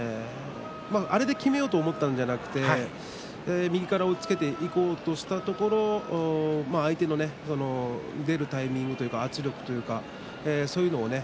あれで、きめようと思ったんじゃなくて右から押っつけていこうとしたところ相手の出るタイミングというか圧力というか、そういうのをね